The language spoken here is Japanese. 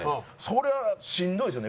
それはしんどいですよね。